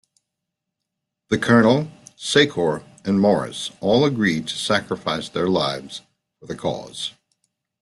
The Colonel, Secor, and Morris all agree to sacrifice their lives for the cause.